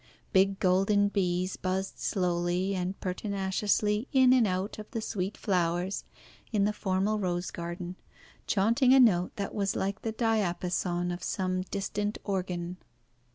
Big golden bees buzzed slowly and pertinaciously in and out of the sweet flowers in the formal rose garden, chaunting a note that was like the diapason of some distant organ.